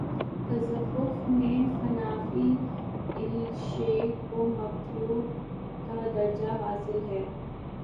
تصوف میں فنا فی الشیخ کو مطلوب کا درجہ حا صل ہے۔